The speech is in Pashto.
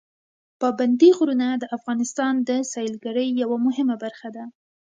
پابندي غرونه د افغانستان د سیلګرۍ یوه مهمه برخه ده.